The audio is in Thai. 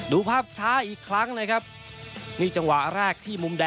ดูภาพเสาอีกครั้งนะครับ